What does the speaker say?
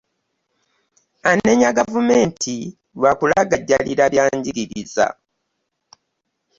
Anenya gavumenti lwa kulagajjalira bya njigiriza.